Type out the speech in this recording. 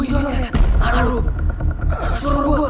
tidak ada yang bisa dihukum